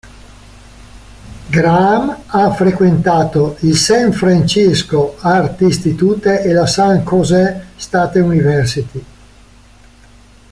Graham ha frequentato il San Francisco Art Institute e la San Jose State University.